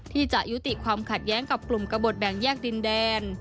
ที่จะยุติความขัดแย้งกับกลุ่มกระบดแบ่งแยกดินแดน